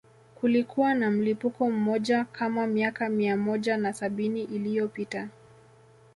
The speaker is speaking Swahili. Kulikuwa na mlipuko mmoja kama miaka mia moja na sabini iliyopita